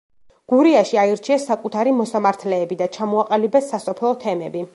გურიაში აირჩიეს საკუთარი მოსამართლეები და ჩამოაყალიბეს სასოფლო თემები.